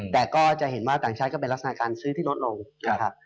แต่ก็จะเห็นว่าต่างชาติก็เป็นลักษณะการซื้อที่ลดลงนะครับ